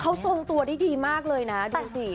เขาทรงตัวได้ดีมากเลยนะดูสิ